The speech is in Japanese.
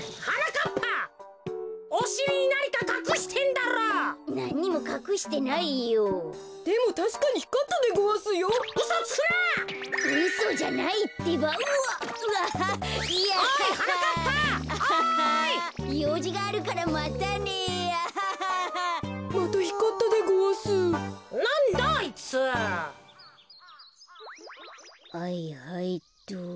はいはいっと。